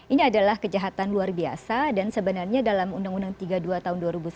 ini adalah kejahatan luar biasa dan sebenarnya dalam undang undang tiga puluh dua tahun dua ribu sembilan